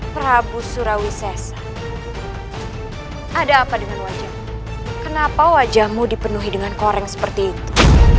prabu surawi sesa ada apa dengan wajahmu kenapa wajahmu dipenuhi dengan koreng seperti itu